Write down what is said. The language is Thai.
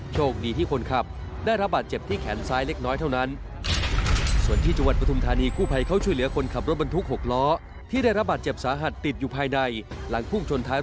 โชคดีที่คนขับได้รับบาดเจ็บที่แขนซ้ายเล็กน้อยเท่านั้น